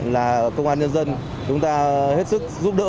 là công an nhân dân chúng ta hết sức giúp đỡ